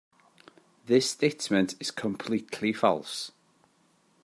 This statement is completely false.